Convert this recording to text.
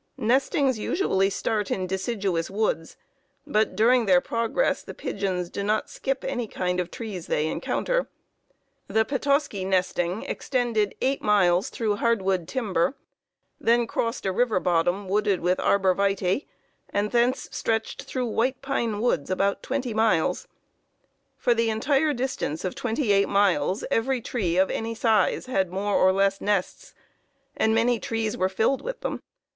Nestings usually start in deciduous woods, but during their progress the pigeons do not skip any kind of trees they encounter. The Petoskey nesting extended 8 miles through hardwood timber, then crossed a river bottom wooded with arborvitæ, and thence stretched through white pine woods about 20 miles. For the entire distance of 28 miles every tree of any size had more or less nests, and many trees were filled with them.